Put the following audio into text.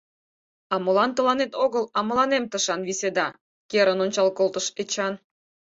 — А молан тыланет огыл, а мыланем тышан виседа? — керын ончал колтыш Эчан.